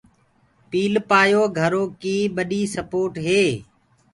پيٚلپآيو گھرو ڪي ٻڏي سپوٽ هي۔